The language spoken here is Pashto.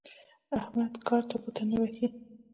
احمد کار ته ګوته نه وهي.